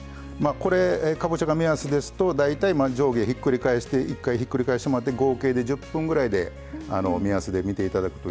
これかぼちゃが目安ですと大体まあ上下ひっくり返して１回ひっくり返してもらって合計で１０分ぐらいで目安で見ていただくといいと思いますよ。